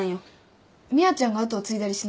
美和ちゃんが跡を継いだりしないの？